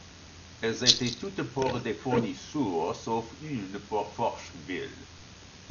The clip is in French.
Elles étaient toutes pour des fournisseurs, sauf une pour Forcheville.